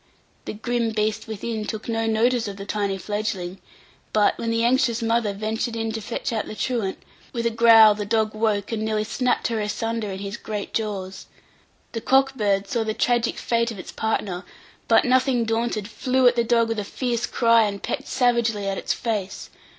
The grim beast within took no notice of the tiny fledgling; but, when the anxious mother ventured in to fetch out the truant, with a growl the dog woke, and nearly snapped her asunder in his great jaws. The cock bird saw the tragic fate of its partner; but, nothing daunted, flew at the dog with a fierce cry, and pecked savagely at its face.